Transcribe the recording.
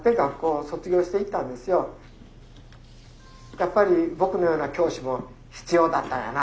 やっぱり僕のような教師も必要だったんやな。